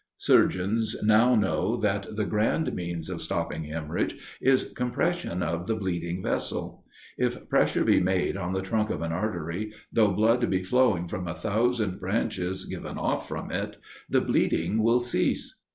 Surgeons now know that the grand means of stopping hemorrhage is compression of the bleeding vessel. If pressure be made on the trunk of an artery, though blood be flowing from a thousand branches given off from it, the bleeding will cease.